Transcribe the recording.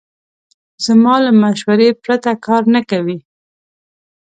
زما له مشورې پرته کار نه کوي.